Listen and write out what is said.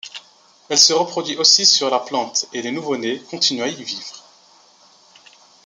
Elle se reproduit aussi sur la plante, et les nouveau-nés continuent à y vivre.